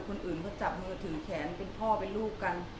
คนอื่นก็จับมือถือแขนเป็นพ่อเป็นลูกกัน